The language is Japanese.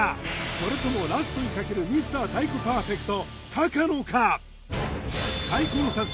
それともラストにかけるミスター太鼓パーフェクト高野か